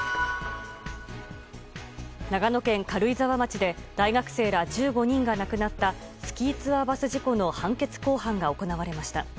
長野県軽井沢町で大学生ら１５人が亡くなったスキーツアーバス事故の判決公判が行われました。